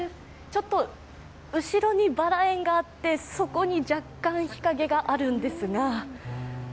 ちょっと後ろにバラ園があって、そこに若干日陰があるんですが。